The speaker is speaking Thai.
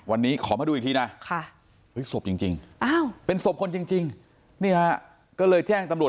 วันนี้ขอมาดูอีกทีนะ